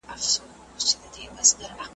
که ته پوښتنه وکړې ځواب موندلی سې.